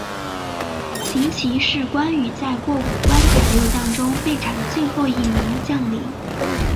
秦琪是关羽在过五关斩六将中被斩的最后一名将领。